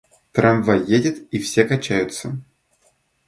Трамвай едет и все качаются.